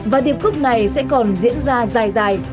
và điệp khúc này sẽ còn diễn ra dài dài